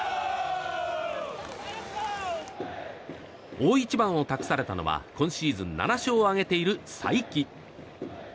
大一番を託されたのは今シーズン７勝を挙げている才木。